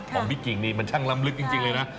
บิ๊กกิ่งนี่มันช่างลำลึกจริงเลยนะ